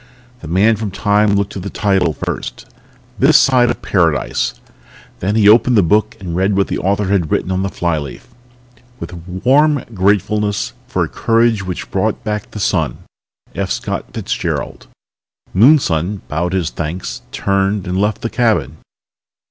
The Man from Time looked at the title first ... THIS SIDE OF PARADISE. Then he opened the book and read what the author had written on the flyleaf: With warm gratefulness for a courage which brought back the sun. F. Scott Fitzgerald. Moonson bowed his thanks, turned and left the cabin.